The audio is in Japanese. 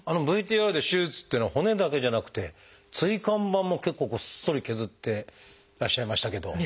ＶＴＲで手術っていうのは骨だけじゃなくて椎間板も結構ごっそり削ってらっしゃいましたけど。